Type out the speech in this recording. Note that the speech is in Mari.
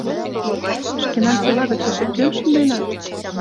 — Шкенан села гыч эше кӧм шынденат?